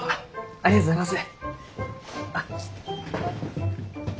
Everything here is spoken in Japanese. ありがとうございます。